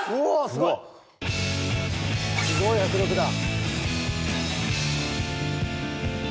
すごい迫力だ。